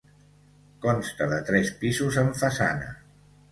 Consta de tres pisos en façana.